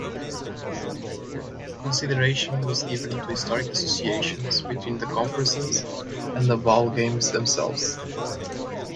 Consideration was given to historic associations between the conferences and the bowl games themselves.